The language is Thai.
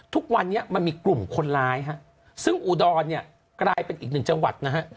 ทุกวันนี้มันมีกลุ่มคนร้ายฮะซึ่งอุดรเนี่ยกลายเป็นอีกหนึ่งจังหวัดนะฮะ